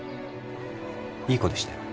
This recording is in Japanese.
いい子でしたよ。